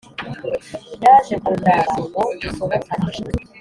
yaje kundaba ngo dusohokane